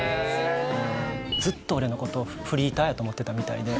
ずっと俺の事をフリーターやと思ってたみたいで。